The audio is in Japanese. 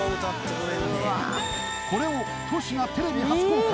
これをＴｏｓｈｌがテレビ初公開。